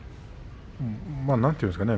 なんていうんですかね